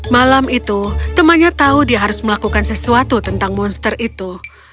malam itu temannya tahu dia harus melakukan sesuatu tentang monster itu